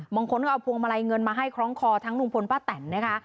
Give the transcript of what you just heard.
บางคนก็เอาพวงมาลัยเงินมาให้คล้องคอทั้งลุงพลป้าแตนนะคะ